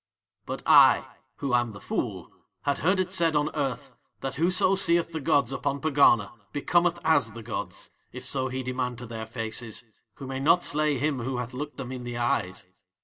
"'But I, who am the fool, had heard it said on earth that whoso seeth the gods upon Pegana becometh as the gods, if so he demand to Their faces, who may not slay him who hath looked them in the eyes.